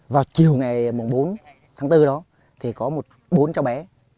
vào chiều ngày bốn tháng bốn đó thì có một bốn cháu bé